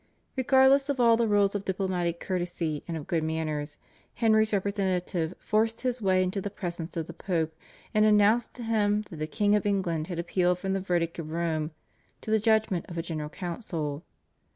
Regardless of all the rules of diplomatic courtesy and of good manners, Henry's representative forced his way into the presence of the Pope, and announced to him that the King of England had appealed from the verdict of Rome to the judgment of a General Council.